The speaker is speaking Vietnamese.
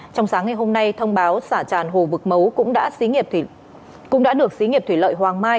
trong sáng ngày hôm nay thông báo xả tràn hồ vực mấu cũng đã được xí nghiệp thủy lợi hoàng mai